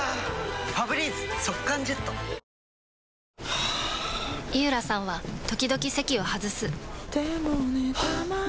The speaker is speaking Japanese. はぁ井浦さんは時々席を外すはぁ。